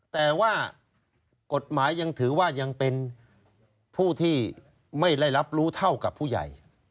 แต่ว่ากฎหมายยังถือว่ายังเป็นผู้ที่ไม่ได้รับรู้เท่ากับผู้ใหญ่